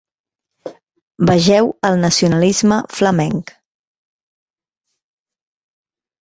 Vegeu el Nacionalisme Flamenc.